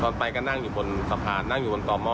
ไปก็นั่งอยู่บนสะพานนั่งอยู่บนต่อหม้อ